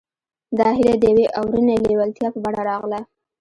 دا هيله د يوې اورنۍ لېوالتيا په بڼه راغله.